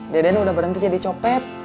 deden udah berhenti jadi copet